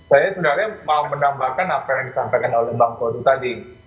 saya sebenarnya mau menambahkan apa yang disampaikan oleh bang kodu tadi